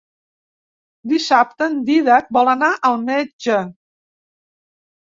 Dissabte en Dídac vol anar al metge.